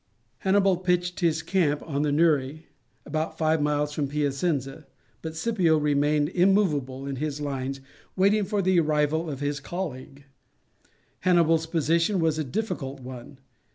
Hannibal pitched his camp on the Nure, about five miles from Piacenza, but Scipio remained immovable in his lines waiting for the arrival of his colleague. Hannibal's position was a difficult one.